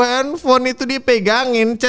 handphone itu dipegangin